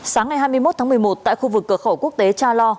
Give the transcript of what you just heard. sáng ngày hai mươi một tháng một mươi một tại khu vực cửa khẩu quốc tế cha lo